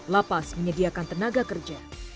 lapas menyediakan tenaga kerja